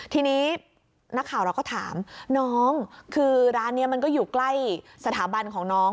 ทีนี้นักข่าวเราก็ถามน้องคือร้านนี้มันก็อยู่ใกล้สถาบันของน้อง